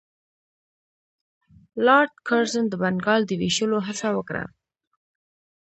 لارډ کرزن د بنګال د ویشلو هڅه وکړه.